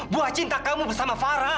buah cinta kamu bersama farah